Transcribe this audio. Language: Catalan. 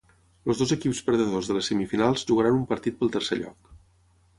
Els dos equips perdedors de les semifinals jugaran un partit pel tercer lloc.